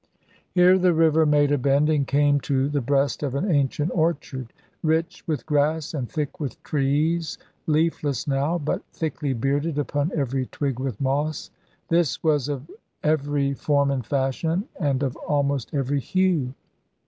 Here the river made a bend and came to the breast of an ancient orchard, rich with grass and thick with trees leafless now, but thickly bearded upon every twig with moss. This was of every form and fashion, and of almost every hue.